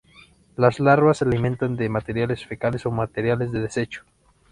Las larvas se alimentan de materias fecales o materiales de desecho.